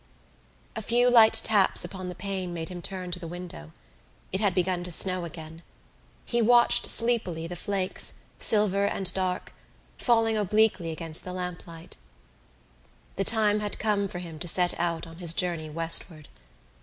A few light taps upon the pane made him turn to the window. It had begun to snow again. He watched sleepily the flakes, silver and dark, falling obliquely against the lamplight. The time had come for him to set out on his journey westward.